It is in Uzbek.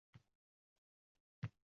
Katta aka yig‘lar yurak, bag‘ri kuyib